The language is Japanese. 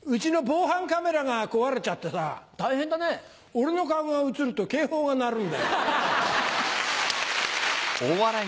俺の顔が写ると警報が鳴るんだよ。